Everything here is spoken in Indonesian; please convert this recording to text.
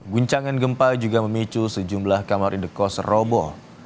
guncangan gempa juga memicu sejumlah kamar indekos robo